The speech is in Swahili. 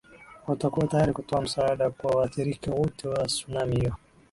watakuwa tayari kutoa msaada kwa waathirika wote wa sunami hiyo